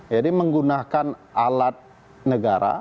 jadi menggunakan alat negara